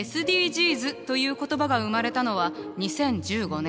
「ＳＤＧｓ」という言葉が生まれたのは２０１５年。